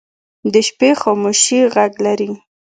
د شپې خاموشي غږ لري